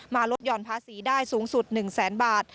ลดหย่อนภาษีได้สูงสุด๑แสนบาท